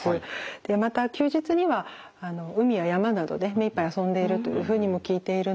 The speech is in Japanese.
でまた休日には海や山などで目いっぱい遊んでいるというふうにも聞いているので。